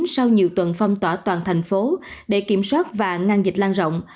sau nhiều tuần phong tỏa toàn thành phố để kiểm soát và ngăn dịch lan rộng